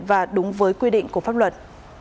và đúng với quy định của pháp luật